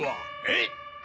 えっ！？